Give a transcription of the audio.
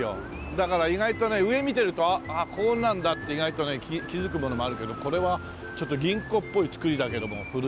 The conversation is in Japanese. だから意外とね上見てるとああこうなんだって意外とね気づくものもあるけどこれはちょっと銀行っぽい造りだけども古い。